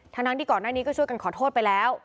ทั้งที่ก่อนหน้านี้ก็ช่วยกันขอโทษไปแล้ว